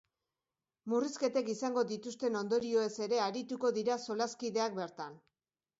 Murrizketek izango dituzten ondorioez ere arituko dira solaskideak bertan.